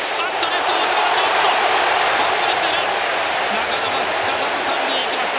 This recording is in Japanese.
中野、すかさず三塁へ行きました。